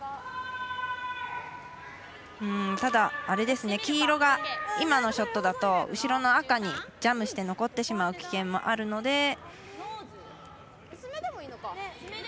ただ、黄色が今のショットだと後ろの赤にジャムして残ってしまう危険もあるので。